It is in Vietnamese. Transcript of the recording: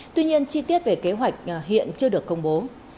tuy nhiên chi tiết về kế hoạch hiện chưa được công bố